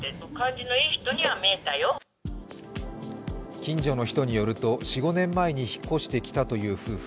近所の人によると４５年前に引っ越してきたという夫婦。